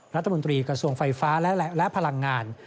รัฐมนตรีกระทรวงไฟฟ้าและพลังงาน